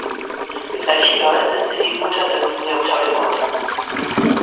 Mit Achilleus ist sie die Mutter des Neoptolemos.